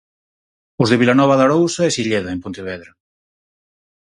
Os de Vilanova de Arousa e Silleda, en Pontevedra.